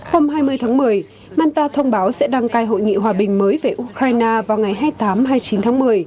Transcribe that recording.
hôm hai mươi tháng một mươi manta thông báo sẽ đăng cai hội nghị hòa bình mới về ukraine vào ngày hai mươi tám hai mươi chín tháng một mươi